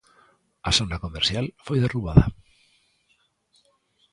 A zona comercial foi derrubada.